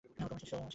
ও তো আমার শিষ্য!